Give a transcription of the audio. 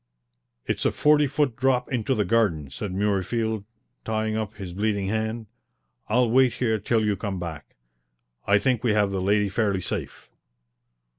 "It's a forty foot drop into the garden," said Murreyfield, tying up his bleeding hand. "I'll wait here till you come back. I think we have the lady fairly safe."